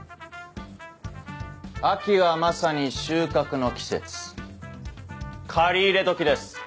秋はまさに収穫の季節刈り入れどきです。